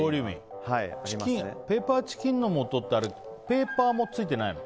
ペーパーチキンの素ってペーパーもついてないの？